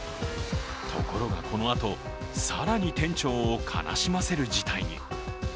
ところが、このあと更に店長を悲しませる事態に。